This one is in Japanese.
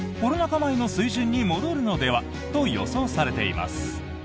前の水準に戻るのではと予想されています。